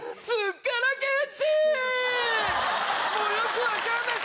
もうよく分かんない。